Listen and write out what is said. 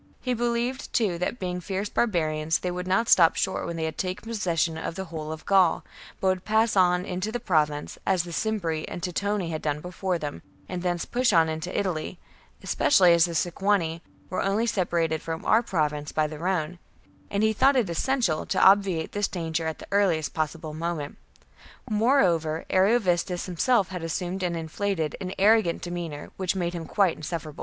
He believed, too, that, being fierce barbarians, they would not stop short when they had taken possession of the whole of Gaul, but would pass into the Province, as the Cimbri and Teutoni had done before them, and thence push on into Italy, especially as the Sequani were only separated from our Province by the Rhone ; and he thought it essential to obviate this danger at the earliest possible moment. Moreover, Ariovistus himself had assumed an inflated and arrogant demeanour, which made him quite insufferable.